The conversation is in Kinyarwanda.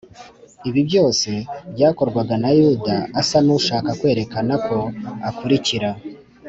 ibi byose byakorwaga na yuda asa n’ushaka kwerekana ko akurikira